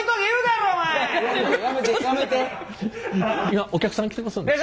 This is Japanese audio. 今お客さん来てますんで。